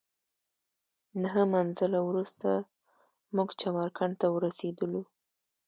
نهه منزله وروسته موږ چمرکنډ ته ورسېدلو.